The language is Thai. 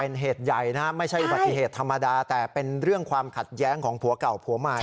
เป็นเหตุใหญ่นะไม่ใช่อุบัติเหตุธรรมดาแต่เป็นเรื่องความขัดแย้งของผัวเก่าผัวใหม่